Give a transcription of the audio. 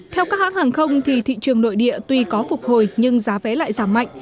theo các hãng hàng không thì thị trường nội địa tuy có phục hồi nhưng giá vé lại giảm mạnh